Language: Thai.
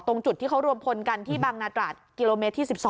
ตรงจุดที่เขารวมพลกันที่บางนาตราดกิโลเมตรที่๑๒